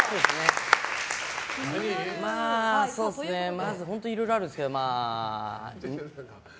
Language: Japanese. まず、本当にいろいろあるんですけど。